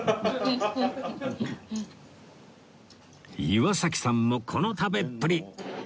岩崎さんもこの食べっぷり！